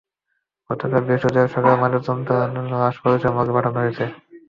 গতকাল বৃহস্পতিবার সকালে ময়নাতদন্তের জন্য লাশ বরিশাল হাসপাতালের মর্গে পাঠানো হয়েছে।